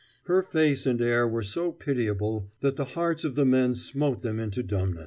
Her face and air were so pitiable that the hearts of the men smote them into dumbness.